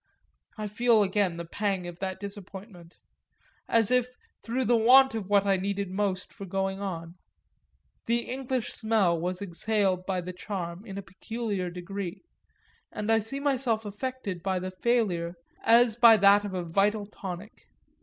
I feel again the pang of that disappointment as if through the want of what I needed most for going on; the English smell was exhaled by The Charm in a peculiar degree, and I see myself affected by the failure as by that of a vital tonic.